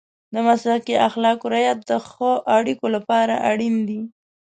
د مسلکي اخلاقو رعایت د ښه اړیکو لپاره اړین دی.